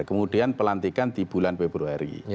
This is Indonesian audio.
kemudian pelantikan di bulan februari